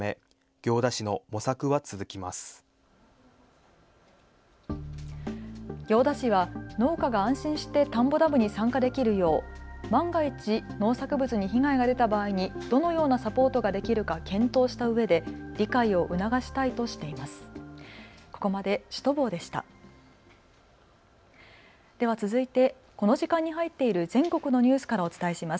行田市は農家が安心して田んぼダムに参加できるよう万が一、農作物に被害が出た場合にどのようなサポートができるか検討したうえで理解を促したいとしています。